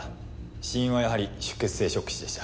死因はやはり出血性ショック死でした。